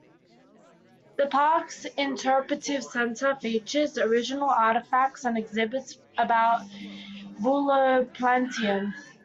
The park's interpretive center features original artifacts and exhibits about the Bulow Plantation.